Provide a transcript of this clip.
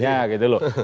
ya gitu loh